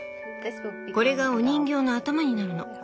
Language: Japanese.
これがお人形の頭になるの。